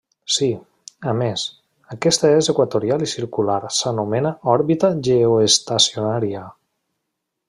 Si, a més, aquesta és equatorial i circular s'anomena òrbita geoestacionària.